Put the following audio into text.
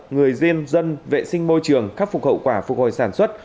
người diêm dân vệ sinh môi trường khắc phục hậu quả phục hồi sản xuất